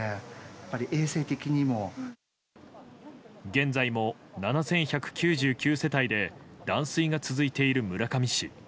現在も７１９９世帯で断水が続いている村上市。